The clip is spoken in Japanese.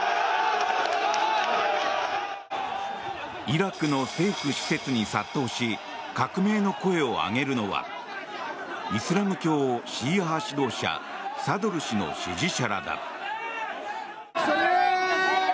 イラクの政府施設に殺到し革命の声を上げるのはイスラム教シーア派指導者サドル師の支持者らだ。